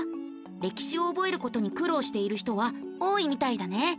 歴史を覚えることに苦労している人は多いみたいだね。